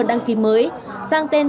đăng ký mới sang tên